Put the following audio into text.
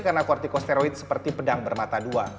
karena kortikosteroid seperti pedang bermata dua